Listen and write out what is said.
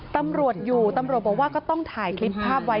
ตำรวจอยู่ตำรวจบอกว่าก็ต้องถ่ายคลิปภาพไว้